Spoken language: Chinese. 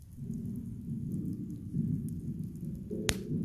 汉字字体可以按照其字的样式形态分成几个不同的风格。